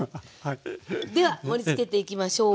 では盛りつけていきましょう。